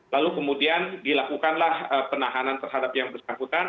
lalu kemudian dilakukanlah penahanan terhadap yang bersangkutan